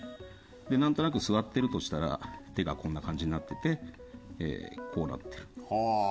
で何となく座ってるとしたら手がこんな感じになっててこうなってる。